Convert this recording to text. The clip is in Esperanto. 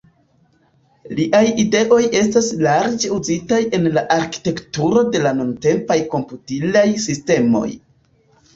Liaj ideoj estas larĝe uzitaj en la arkitekturo de la nuntempaj komputilaj sistemoj.